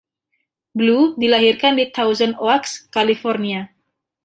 Blue dilahirkan di Thousand Oaks, California.